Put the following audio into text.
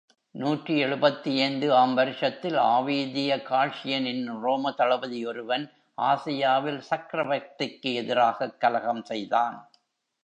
நூற்றி எழுபத்தைந்து ஆம் வருஷத்தில் ஆவீதிய காள்ஸியன் என்னும் ரோமதளபதி ஒருவன் ஆசியாவில் சக்ரவர்த்திக்கு எதிராகக் கலகம் செய்தான்.